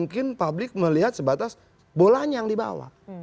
kalau di situ di batas bolanya yang dibawa